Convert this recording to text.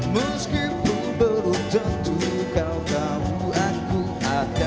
meskipun baru tentu kau tahu aku ada